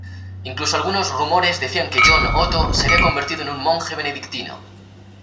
Incluso algunos rumores decían que John Otto se había convertido en un monje benedictino.